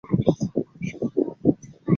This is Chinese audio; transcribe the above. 董宪和庞萌首级被送至洛阳。